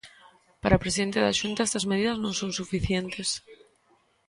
Para o presidente da Xunta estas medidas non son suficientes.